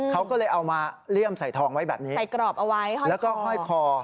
เขาก็เลยเอามาเลี่ยมใส่ทองไว้แบบนี้ใส่กรอบเอาไว้แล้วก็ห้อยคอ